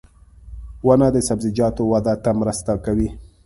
• ونه د سبزیجاتو وده ته مرسته کوي.